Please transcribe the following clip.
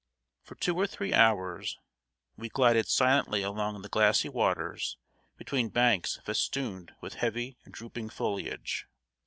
For two or three hours, we glided silently along the glassy waters between banks festooned with heavy, drooping foliage.